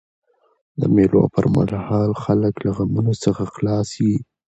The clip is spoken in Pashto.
د مېلو پر مهال خلک له غمونو څخه خلاص يي.